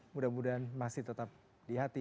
mudah mudahan masih tetap di hati